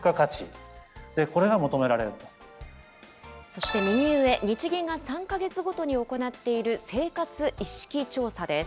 そして右上、日銀が３か月ごとに行っている生活意識調査です。